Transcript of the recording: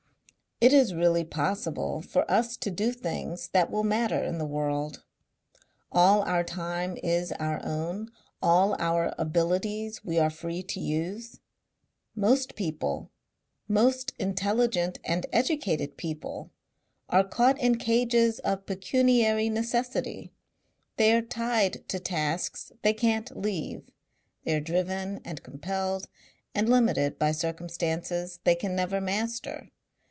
It is really possible for us to do things that will matter in the world. All our time is our own; all our abilities we are free to use. Most people, most intelligent and educated people, are caught in cages of pecuniary necessity; they are tied to tasks they can't leave, they are driven and compelled and limited by circumstances they can never master.